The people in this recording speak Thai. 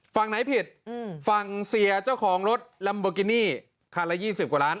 ฝั่งไหนผิดฝั่งเสียเจ้าของรถลัมโบกินี่คันละ๒๐กว่าล้าน